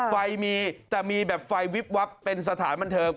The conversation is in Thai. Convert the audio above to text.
ไฟมีแต่มีแบบไฟวิบวับเป็นสถานบันเทิง